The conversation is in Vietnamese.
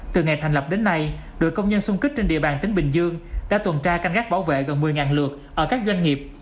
từ ngày thành lập đến nay đội công nhân xung kích trên địa bàn tỉnh bình dương đã tuần tra canh gác bảo vệ gần một mươi lượt ở các doanh nghiệp